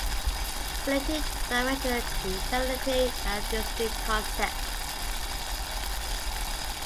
Relative direction and chirality are distinct concepts.